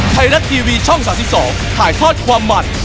ไทยรัฐทีวีช่อง๓๒ถ่ายทอดความมัน